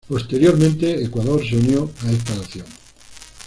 Posteriormente Ecuador se unió a esta nación.